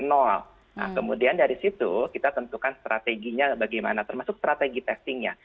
nah kemudian dari situ kita tentukan strateginya bagaimana termasuk strategi testingnya